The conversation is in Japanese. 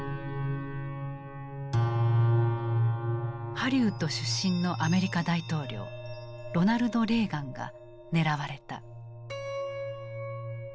ハリウッド出身のアメリカ大統領ロナルド・レーガンが狙われた。